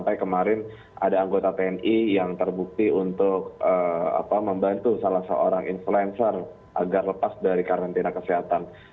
tapi kemarin ada anggota tni yang terbukti untuk membantu salah seorang influencer agar lepas dari karantina kesehatan